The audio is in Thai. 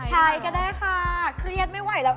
ใช้ก็ได้ค่ะเครียดไม่ไหวแล้ว